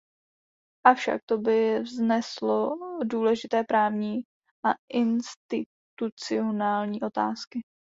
Avšak to by vzneslo důležité právní a institucionální otázky.